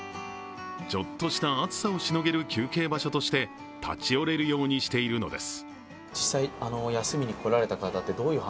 ちょっとした暑さをしのげる休憩場所として立ち寄れるようにしているのです。